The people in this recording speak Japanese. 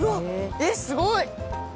えっすごい！